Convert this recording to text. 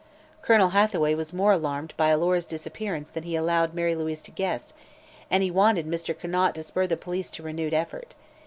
Colonel Hathaway was more alarmed by Alora's disappearance than he allowed Mary Louise to guess, and he wanted Mr. Conant to spur the police to renewed effort.